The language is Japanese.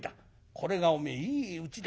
これがおめえいいうちだ。